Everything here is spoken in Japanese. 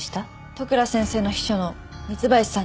利倉先生の秘書の三津林さんに。